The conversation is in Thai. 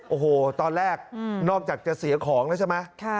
โอ้โหตอนแรกนอกจากจะเสียของแล้วใช่ไหม